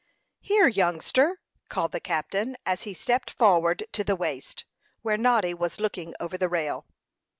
"Here, youngster!" called the captain, as he stepped forward to the waist, where Noddy was looking over the rail.